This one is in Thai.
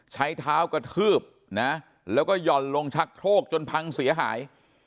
ใช้เท้ากระทืบนะแล้วก็หย่อนลงชักโครกจนพังเสียหาย